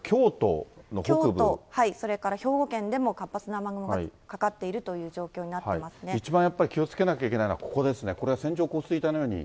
京都、それから兵庫県でも活発な雨雲がかかっているという状況になって一番やっぱり、気をつけなきゃいけないのはここですね、これは線状降水帯のように。